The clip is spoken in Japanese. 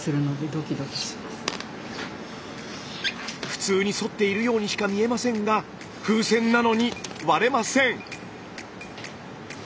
普通にそっているようにしか見えませんが風船なのに割れません。